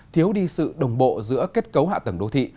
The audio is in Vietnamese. thiếu đi sự đồng bộ giữa kết cấu hạ tầng đô thị